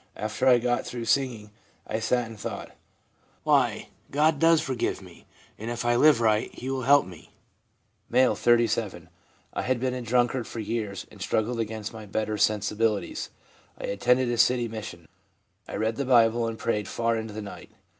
After I got through singing, I sat and thought, " Why, God does forgive me, and if I live right He will help me.'" M., 37. * I had been a drunkard for years and struggled against my better sensibilities. ... I attended a city mission. ... I read the Bible and prayed far into the night.